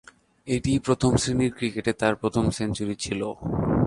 এটিই প্রথম-শ্রেণীর ক্রিকেটে তার প্রথম সেঞ্চুরি ছিল।